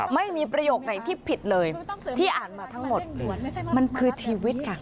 ไม่มีประโยคไหนที่ผิดเลยที่อ่านมาทั้งหมดมันคือชีวิตค่ะ